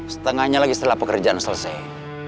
setengahnya lagi setelah pekerjaan selesai